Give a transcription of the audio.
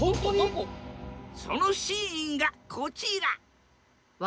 そのシーンがこちら！